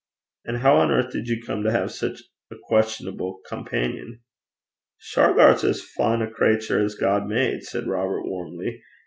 'And how on earth did you come to have such a questionable companion?' 'Shargar's as fine a crater as ever God made,' said Robert warmly.